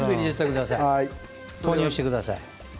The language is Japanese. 投入してください。